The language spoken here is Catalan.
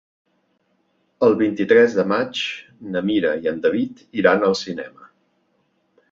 El vint-i-tres de maig na Mira i en David iran al cinema.